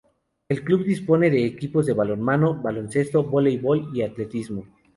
El club dispone de un equipos de balonmano, baloncesto, voleibol y atletismo.